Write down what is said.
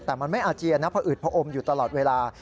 แต่มันไม่อาเจียนนะพออืดพออมอยู่ตลอดเวลา